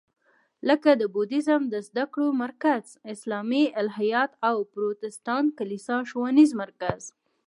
لکه د بودیزم د زده کړو مرکز، اسلامي الهیات او پروتستانت کلیسا ښوونیز مرکز.